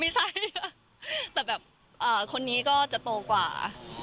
ไม่ใช่ค่ะแต่แบบคนนี้ก็จะโตกว่า